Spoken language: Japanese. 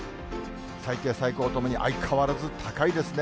最低、最高ともに相変わらず高いですね。